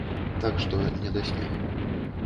Так што не да смеху.